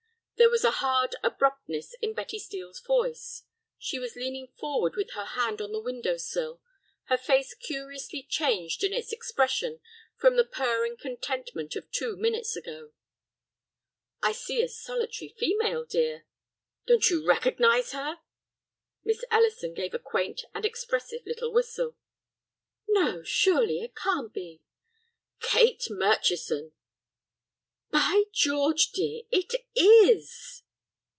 There was a hard abruptness in Betty Steel's voice. She was leaning forward with her hand on the window sill, her face curiously changed in its expression from the purring contentment of two minutes ago. "I see a solitary female, dear." "Don't you recognize her?" Miss Ellison gave a quaint and expressive little whistle. "No, surely, it can't be!" "Kate Murchison." "By George, dear, it is!"